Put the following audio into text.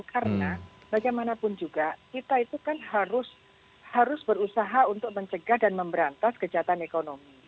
karena bagaimanapun juga kita itu kan harus berusaha untuk mencegah dan memberantas kejahatan ekonomi